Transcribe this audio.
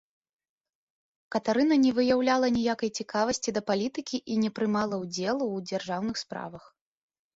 Катарына не выяўляла ніякай цікавасці да палітыкі і не прымала ўдзелу ў дзяржаўных справах.